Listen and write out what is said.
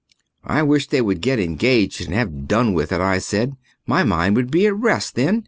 "I wish they would get engaged and have done with it," I said. "My mind would be at rest then.